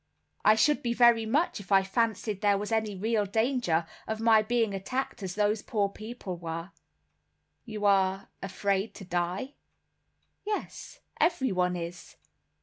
"I should be very much if I fancied there was any real danger of my being attacked as those poor people were." "You are afraid to die?" "Yes, every one is."